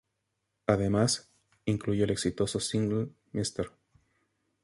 Además, incluyó el exitoso single "Mr.